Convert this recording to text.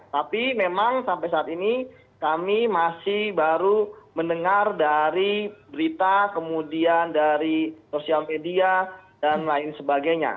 tapi memang sampai saat ini kami masih baru mendengar dari berita kemudian dari sosial media dan lain sebagainya